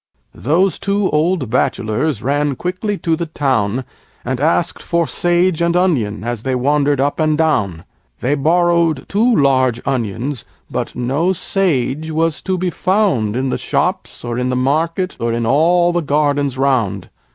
Those two old Bachelors ran quickly to the town And asked for Sage and Onion as they wandered up and down; They borrowed two large Onions, but no Sage was to be found In the Shops, or in the Market, or in all the Gardens round.